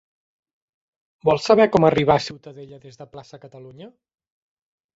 Vol saber com arribar a Ciutadella des de Plaça Catalunya?